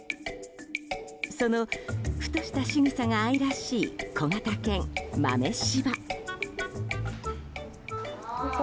そのふとしたしぐさが愛らしい小型犬、豆柴。